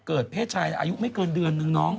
เพศชายอายุไม่เกินเดือนนึงน้อง